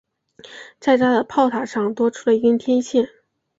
在它的炮塔上多出了一根天线。